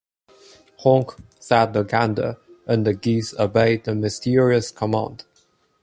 ‘Honk!’ said the gander, and the geese obeyed the mysterious command.